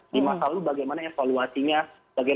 di masa lalu bagaimana evaluasinya